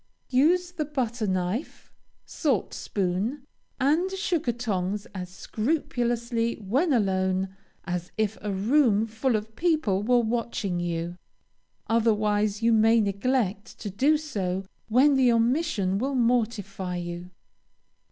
Use the butter knife, salt spoon, and sugar tongs as scrupulously when alone, as if a room full of people were watching you. Otherwise, you may neglect to do so when the omission will mortify you.